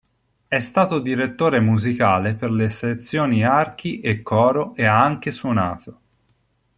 È stato direttore musicale per le sezioni archi e coro e ha anche suonato.